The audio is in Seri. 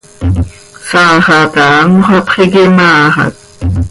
Saa xaha taa anxö hapx iiquim áa xac.